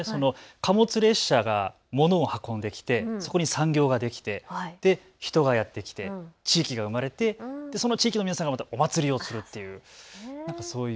貨物列車が物を運んできてそこに産業ができて人がやって来て地域が生まれてその地域の皆さんがお祭りをする。